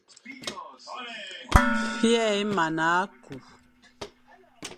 Vyo é mana kü,